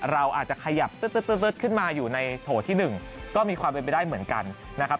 เราอาจจะขยับตึ๊ดขึ้นมาอยู่ในโถที่๑ก็มีความเป็นไปได้เหมือนกันนะครับ